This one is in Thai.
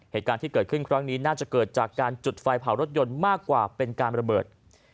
เหตุการณ์ที่เกิดขึ้นครั้งนี้น่าจะเกิดจากการจุดไฟเผารถยนต์มากกว่าเป็นการระเบิด